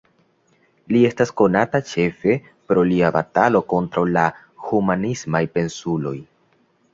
Li estas konata ĉefe pro lia batalo kontraŭ la humanismaj pensuloj.